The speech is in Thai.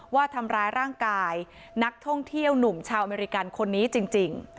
ว่าทำร้ายร่างกายนักท่องเที่ยวหนุ่มชาวอเมริกันคนนี้จริง